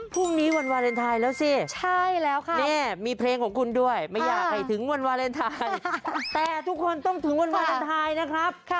พรุ่งนี้วันวาเลนไทยแล้วสิใช่แล้วค่ะนี่มีเพลงของคุณด้วยไม่อยากให้ถึงวันวาเลนไทยแต่ทุกคนต้องถึงวันวาเลนไทยนะครับ